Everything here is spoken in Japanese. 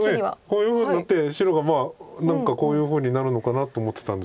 こういうふうになって白が何かこういうふうになるのかなと思ってたんですけど。